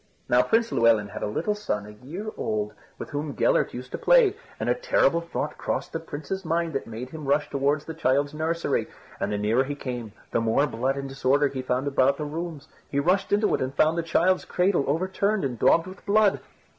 Now Prince Llewelyn had a little son a year old with whom Gellert used to play, and a terrible thought crossed the Prince's mind that made him rush towards the child's nursery. And the nearer he came the more blood and disorder he found about the rooms. He rushed into it and found the child's cradle overturned and daubed with blood.